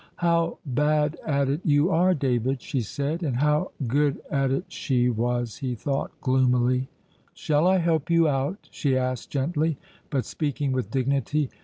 "How bad at it you are, David!" she said. And how good at it she was! he thought gloomily. "Shall I help you out?" she asked gently, but speaking with dignity.